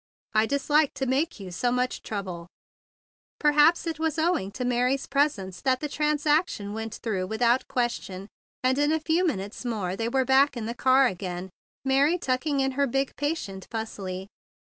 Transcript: "I dislike to make you so much trouble " Perhaps it was owing to Mary's THE BIG BLUE SOLDIER 135 presence that the transaction went through without question, and in a few minutes more they were back in the car again, Mary tucking up her big patient fussily.